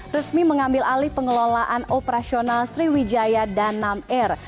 resmi mengambil alih pengelolaan operasional sriwijaya danam air